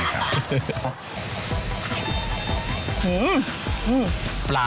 ปลาเป็นไง